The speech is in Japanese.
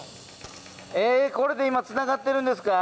これで今つながってるんですか？